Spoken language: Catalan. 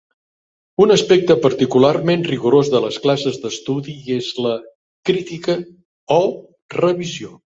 Un aspecte particularment rigorós de les classes d'estudi és la "crítica" o "revisió.